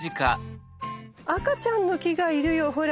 赤ちゃんの木がいるよほら。